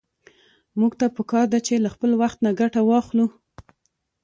موږ ته په کار ده چې له خپل وخت نه ګټه واخلو.